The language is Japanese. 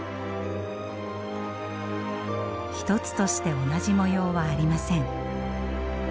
一つとして同じ模様はありません。